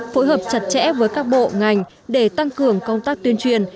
phối hợp chặt chẽ với các bộ ngành để tăng cường công tác tuyên truyền